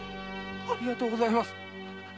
ありがとうございます。